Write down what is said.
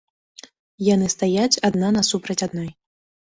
Яны стаяць адна насупраць адной.